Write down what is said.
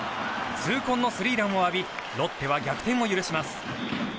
痛恨のスリーランを浴びロッテは逆転を許します。